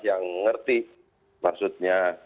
yang ngerti maksudnya